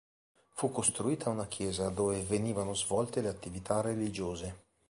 Fu costruita una chiesa, dove venivano svolte le attività religiose.